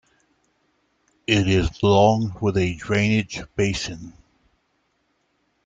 It is long, with a drainage basin.